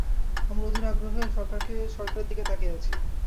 আমরা অধীর আগ্রহে সরকারের দিকে তাকিয়ে আছি।